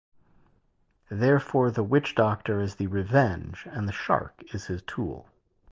Therefore, the witch doctor is the 'revenge' and the shark is his tool.